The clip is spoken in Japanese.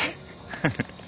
ハハハ。